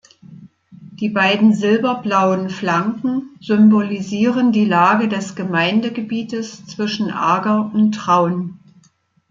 Die beiden silber-blauen Flanken symbolisieren die Lage des Gemeindegebietes zwischen Ager und Traun.